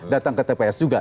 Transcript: datang ke tps juga